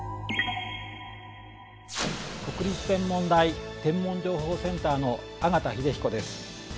国立天文台天文情報センターの縣秀彦です。